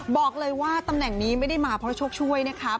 บอกเลยว่าตำแหน่งนี้ไม่ได้มาเพราะโชคช่วยนะคะ